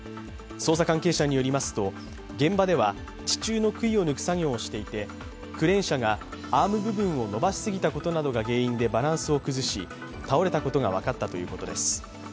捜査関係者によりますと、現場では地中のくいを抜く作業をしていてクレーン車がアーム部分を伸ばしすぎたことなどが原因でバランスを崩し、倒れたことが分かったということです。